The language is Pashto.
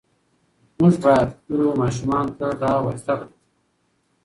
موږ باید خپلو ماشومانو ته دا ور زده کړو.